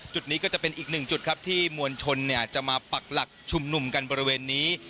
จุดนี้ก็จะเป็นอีกหนึ่งจุดครับที่มวลชนจะมาปักหลักชุมนุมกันบริเวณนี้